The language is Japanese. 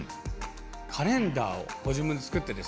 カレンダーを、ご自分で作って。